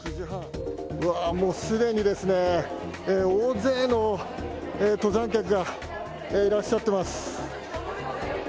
うわー、もうすでに大勢の登山客がいらっしゃってます。